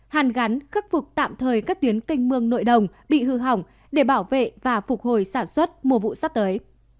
hàn gắn khắc phục tạm thời các tuyến canh mương nội đồng bị hư hỏng để bảo vệ và phục hồi sản xuất mùa vụ sắp tới